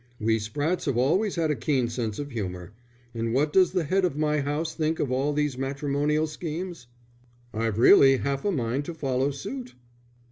"We Sprattes have always had a keen sense of humour. And what does the head of my house think of all these matrimonial schemes?" "I've really half a mind to follow suit."